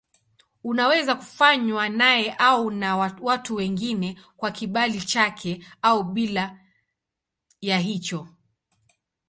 Unaweza kufanywa naye au na watu wengine kwa kibali chake au bila ya hicho.